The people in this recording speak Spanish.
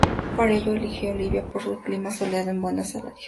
Para ello, eligió Libia por su clima soleado y sus buenos salarios.